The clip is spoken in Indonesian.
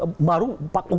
oke sehingga baru pakai